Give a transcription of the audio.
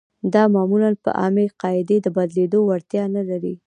دا معمولاً په عامې قاعدې د بدلېدو وړتیا نلري.